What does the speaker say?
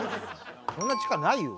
そんな力ないよ。